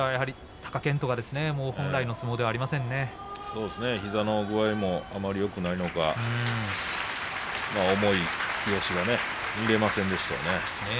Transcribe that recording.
貴健斗は膝の具合もあまりよくないのか重い突き押しが見られませんでしたね。